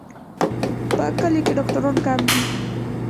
په کلیو کې ډاکټران کم دي.